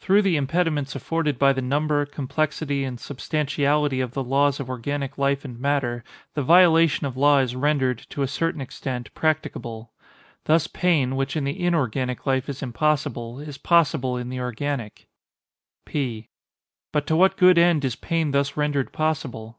Through the impediments afforded by the number, complexity, and substantiality of the laws of organic life and matter, the violation of law is rendered, to a certain extent, practicable. Thus pain, which in the inorganic life is impossible, is possible in the organic. P. But to what good end is pain thus rendered possible?